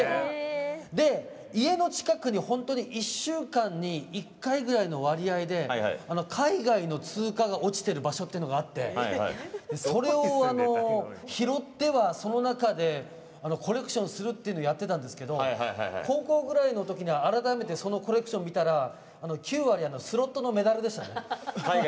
家の近くに本当に１週間に１回ぐらいの割合で海外の通貨が落ちてる場所っていうのがあってそれを拾ってはその中でコレクションするっていうのやってたんですけど高校ぐらいのときに改めてそのコレクション見たら９割スロットのメダルでした。